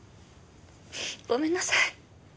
ごめんなさい。